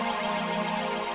saya gak mau